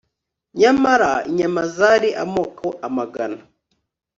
nyamara inyama zari amoko amagana